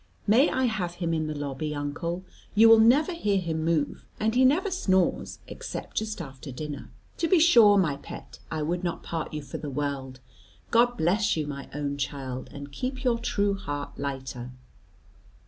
May I have him in the lobby, uncle, you will never hear him move, and he never snores except just after dinner?" "To be sure, my pet; I would not part you for the world. God bless you, my own child, and keep your true heart lighter."